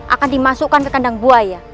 akan dimasukkan ke kandang buaya